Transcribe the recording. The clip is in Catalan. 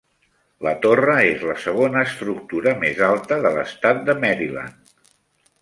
La torre és la segona estructura més alta de l'estat de Maryland.